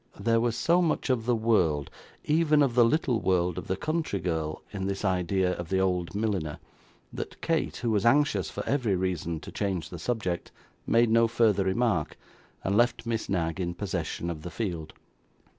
There was so much of the world even of the little world of the country girl in this idea of the old milliner, that Kate, who was anxious, for every reason, to change the subject, made no further remark, and left Miss Knag in possession of the field.